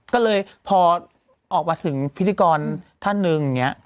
ก็เลยพอออกมาถึงพิธีกรท่านหนึ่งอย่างนี้